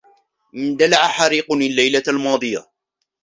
اندلع حريق الليلة الماضية.